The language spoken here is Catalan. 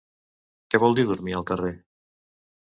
Què vol dir dormir al carrer?